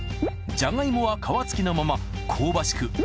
じゃがいもは皮付きのまま香ばしく